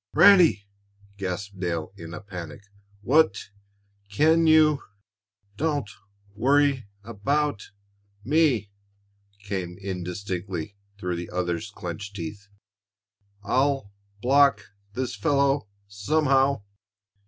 "Ranny!" gasped Dale, in a panic. "What Can you " "Don't worry about me," came indistinctly through the other's clenched teeth. "I'll block this fellow somehow.